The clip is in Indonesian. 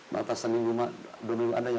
pas seminggu mah belum ada ya